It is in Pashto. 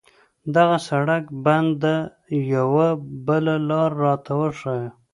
دغه سړک بند ده، یوه بله لار راته وښایه.